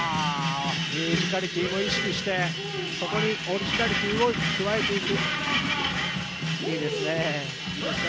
ミュージカリティーも意識して、そこにオリジナリティーを加えていく。